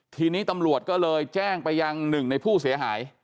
ทีนี้ตำรวจก็เลยแจ้งไปยังหนึ่งในผู้เสียหาย